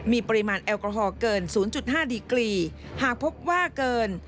มีปริมาณแอลกอฮอลเกิน๐๕ดีกรีหากพบว่าเกิน